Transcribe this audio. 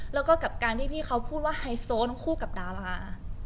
แล้วก็กับการที่พี่เขาพูดว่าไฮโซทั้งคู่กับดารา